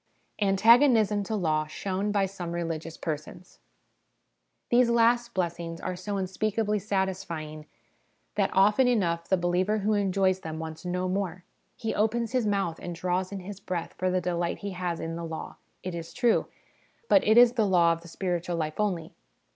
Antagonism to Law shown by some Religious Persons. These last blessings are so unspeakably satisfying, that often enough the believer who enjoys them wants no more. He opens his mouth and draws in his breath for the delight he has in the law, it is true ; but it is the law of the spiritual life only.